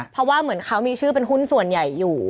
เพราะว่าเหมือนเขามีชื่อเป็นหุ้นส่วนใหญ่อยู่